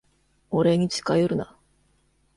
俺に近寄るな。